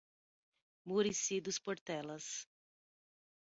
Murici dos Portelas